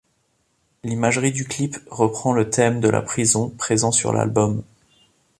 L'imagerie du clip reprend le thème de la prison présent sur l'album.